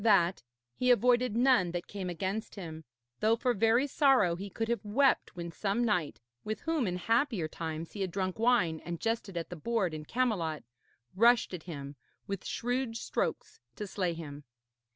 After that he avoided none that came against him, though for very sorrow he could have wept when some knight, with whom in happier times he had drunk wine and jested at the board in Camelot, rushed at him with shrewd strokes to slay him.